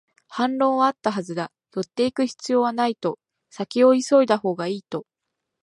反論はあったはずだ、寄っていく必要はないと、先を急いだほうがいいと